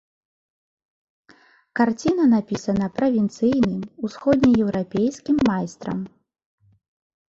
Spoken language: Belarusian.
Карціна напісана правінцыйным усходнееўрапейскім майстрам.